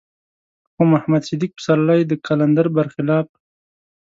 خو محمد صديق پسرلی د قلندر بر خلاف.